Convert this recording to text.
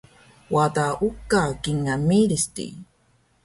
Wada uka kingal miric di